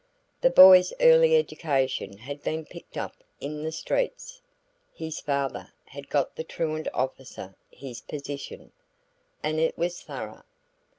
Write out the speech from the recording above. The boy's early education had been picked up in the streets (his father had got the truant officer his position) and it was thorough.